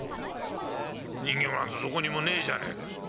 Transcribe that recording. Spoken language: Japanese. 人形なんてどこにもねえじゃねえかよ」。